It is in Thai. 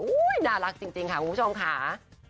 น่ารักจริงค่ะคุณผู้ชมค่ะ